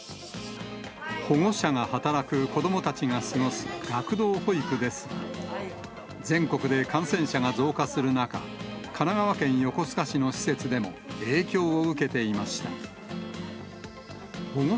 保護者が働く子どもたちが過ごす学童保育ですが、全国で感染者が増加する中、神奈川県横須賀市の施設でも、影響を受けていました。